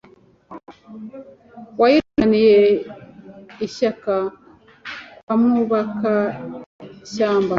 Wayirwaniye ishyaka kwa Mwubakashyamba